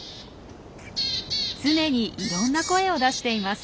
常にいろんな声を出しています。